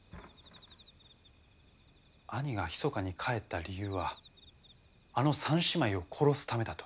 兄がひそかに帰った理由はあの３姉妹を殺すためだと。